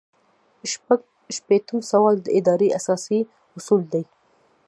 شپږ شپیتم سوال د ادارې اساسي اصول دي.